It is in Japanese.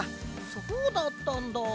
そうだったんだ。